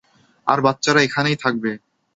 আর বাচ্চারা এখানেই থাকবে।